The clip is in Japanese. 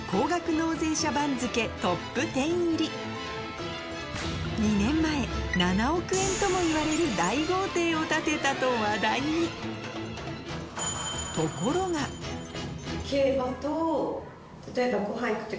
納税者番付トップ１０入り２年前７億円ともいわれる大豪邸を建てたと話題に例えば。